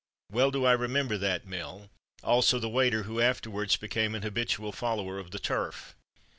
Well do I remember that "mill," also the waiter, who afterwards became an habitual follower of the turf.